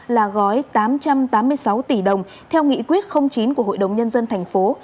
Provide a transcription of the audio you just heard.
là gói tám trăm tám mươi sáu tỷ đồng theo nghị quyết chín của hội đồng nhân dân thành phố